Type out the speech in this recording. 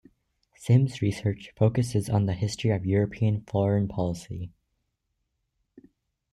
Simms's research focuses on the history of European foreign policy.